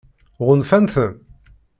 Ɣunfan-ten?